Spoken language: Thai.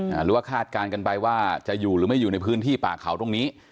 หรือว่าคาดการณ์กันไปว่าจะอยู่หรือไม่อยู่ในพื้นที่ป่าเขาตรงนี้